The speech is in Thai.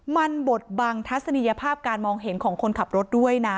มันบดบังทัศนียภาพการมองเห็นของคนขับรถด้วยนะ